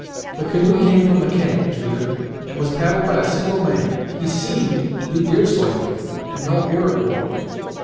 The canoe came from the camp, Judith, and was paddled by a single man. He seemed to be Deerslayer, and no Iroquois."